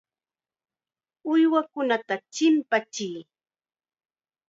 Uywakunata chimpachiy.